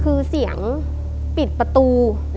คือเสียงปิดประตู